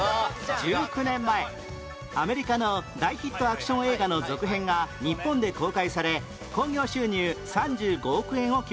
１９年前アメリカの大ヒットアクション映画の続編が日本で公開され興行収入３５億円を記録